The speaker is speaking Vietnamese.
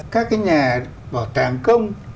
các cái nhà bảo tàng công